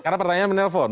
karena pertanyaan menelpon